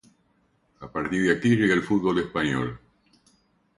A partir de aquí llega al fútbol español.